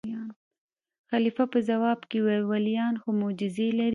خلیفه په ځواب کې وویل: ولیان خو معجزې لري.